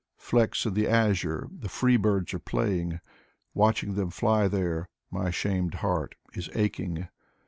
Flecks in the azure, the free birds are playing ; Watching them fly there, my shamed heart is aching.